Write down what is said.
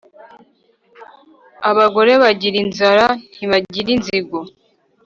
Abagore bagira inzara ntibagira inzigo.